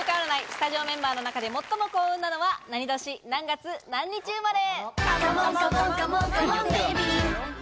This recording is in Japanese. スタジオメンバーの中で最も幸運なのは何年何月何日生まれ。